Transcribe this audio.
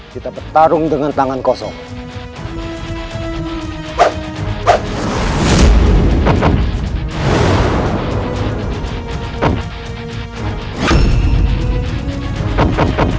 kita bertarung dengan tangan kosong